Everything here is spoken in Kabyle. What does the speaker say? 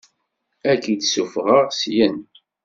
Ad k-id-ssuffɣeɣ syin.